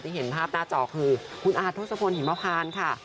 เห็นภาพหน้าจอคือคุณอาทศพลหิมพานค่ะ